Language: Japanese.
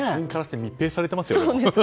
密閉されてますよね。